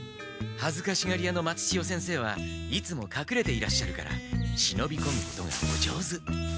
はずかしがり屋の松千代先生はいつもかくれていらっしゃるからしのびこむことがお上手。